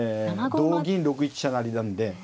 同銀６一飛車成なんで。